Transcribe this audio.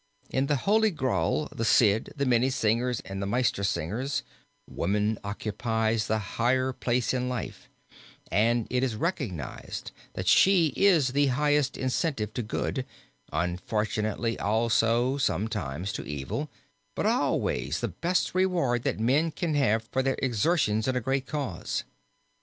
In the Holy Graal, the Cid, the Minnesingers and the Meistersingers, woman occupies the higher place in life and it is recognized that she is the highest incentive to good, unfortunately also sometimes to evil, but always the best reward that men can have for their exertions in a great cause.